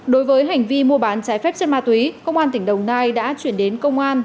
đối với hành vi mua bán trái phép chất ma túy công an tỉnh đồng nai đã chuyển đến công an